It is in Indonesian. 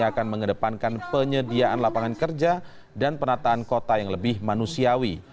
akan mengedepankan penyediaan lapangan kerja dan penataan kota yang lebih manusiawi